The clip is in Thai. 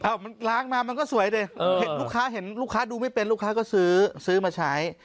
อ้าวมันล้างมามันก็สวยดิเห็นลูกค้าดูไม่เป็นลูกค้าก็ซื้อซื้อมาใช้